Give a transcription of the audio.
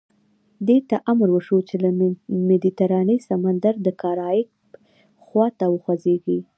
دې ته امر وشو چې له مدیترانې سمندره د کارائیب خوا ته وخوځېږي.